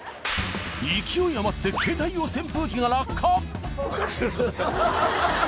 勢いあまって携帯用扇風機が落下！